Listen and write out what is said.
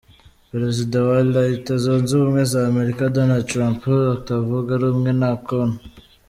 Perezida wa Leta Zunze Ubumwe z’Amerika Donald Trump utavuga rumwe na Akoni